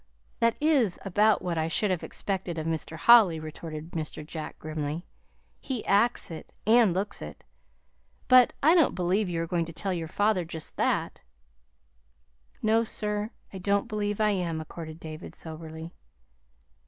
"That is about what I should have expected of Mr. Holly" retorted Mr. Jack grimly. "He acts it and looks it. But I don't believe you are going to tell your father just that." "No, sir, I don't believe I am," accorded David soberly.